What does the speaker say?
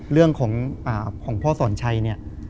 เรื่องของอ่าของพ่อสอนชัยเนี่ย